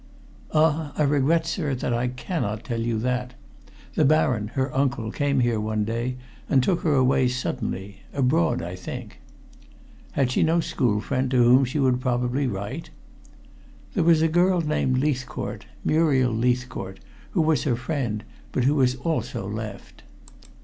"Ah, I regret, sir, that I cannot tell you that. The Baron, her uncle, came here one day and took her away suddenly abroad, I think." "Had she no school friend to whom she would probably write?" "There was a girl named Leithcourt Muriel Leithcourt who was her friend, but who has also left."